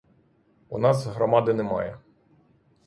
У нас громади немає.